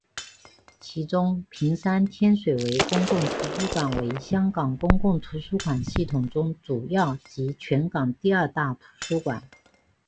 其中屏山天水围公共图书馆为香港公共图书馆系统中主要及全港第二大图书馆。